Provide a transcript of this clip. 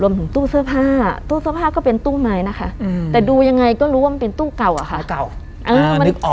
ถึงตู้เสื้อผ้าตู้เสื้อผ้าก็เป็นตู้ไม้นะคะแต่ดูยังไงก็รู้ว่ามันเป็นตู้เก่าอะค่ะเก่า